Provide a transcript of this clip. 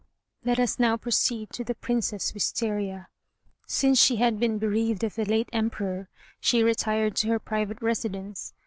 Let us now proceed to the Princess Wistaria. Since she had been bereaved of the late Emperor she retired to her private residence.